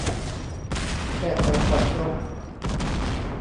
แก้ไขปรับปรุง